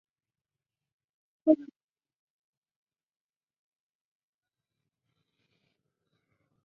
Ninguno de los dos logró tener continuidad, en ocasiones debido a problemas físicos.